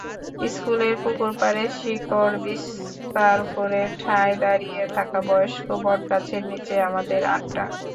স্কুলের পুকুরপাড়ে শিকড় বিস্তার করে ঠায় দাঁড়িয়ে থাকা বয়স্ক বটগাছের নিচে আমাদের আড্ডা।